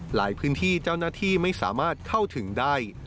หลายพื้นที่เจ้าหน้าที่ไม่สามารถเข้าถึงได้